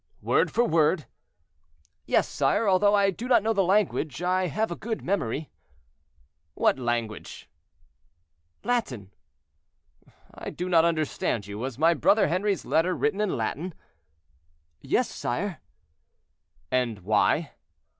"Word for word." "Yes, sire, although I do not know the language, I have a good memory." "What language?" "Latin." "I do not understand you; was my brother Henri's letter written in Latin?" "Yes, sire." "And why?"